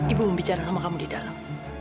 ibu mau bicara sama kamu di dalam